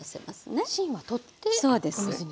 芯は取ってお水につける？